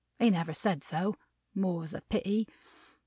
He never said so; more's the pity!